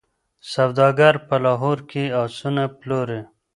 سوداګر په لاهور کي آسونه پلوري.